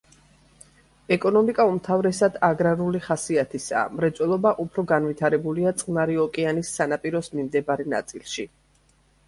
ეკონომიკა უმთავრესად აგრარული ხასიათისაა, მრეწველობა უფრო განვითარებულია წყნარი ოკეანის სანაპიროს მიმდებარე ნაწილში.